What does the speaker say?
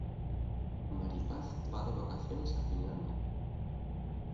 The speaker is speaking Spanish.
Mari Paz va de vacaciones a Finlandia.